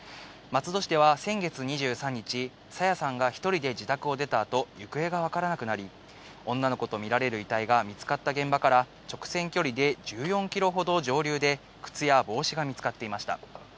松戸市では先月２３日、朝芽さんが１人で自宅を出たあと、行方が分からなくなり、女の子と見られる遺体が見つかった現場から、直線距離で１４キロほど上流で、靴や帽子が見つかっていました。